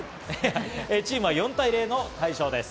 チームは４対０の大勝です。